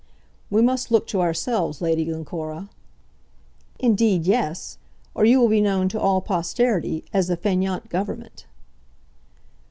"We must look to ourselves, Lady Glencora." "Indeed, yes; or you will be known to all posterity as the fainéant government."